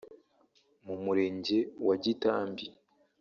mu murenge wa Gitambi